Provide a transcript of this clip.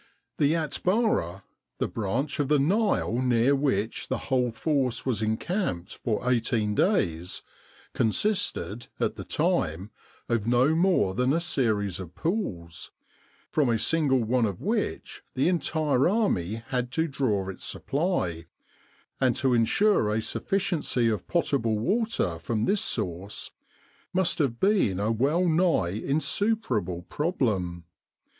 The Atbara the branch of the Nile near which the whole force was encamped for eighteen days consisted, at the time, of no more than a series of pools, from a single one of which the entire army had to draw its supply, and to ensure a sufficiency of potable water from this source must have been a well nigh insuperable problem.